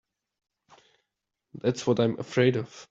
That's what I'm afraid of.